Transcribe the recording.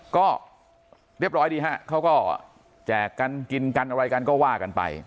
ก็เรียบร้อยดีฮะเขาก็แจกกันกินกันอะไรกันก็ว่ากันไป